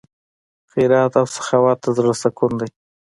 خیرات او سخاوت د زړه سکون دی.